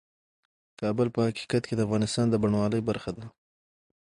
کابل په حقیقت کې د افغانستان د بڼوالۍ برخه ده.